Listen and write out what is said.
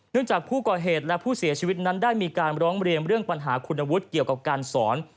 จากผู้ก่อเหตุและผู้เสียชีวิตนั้นได้มีการร้องเรียนเรื่องปัญหาคุณวุฒิเกี่ยวกับการสอน